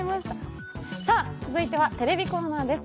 続いてはテレビコーナーです。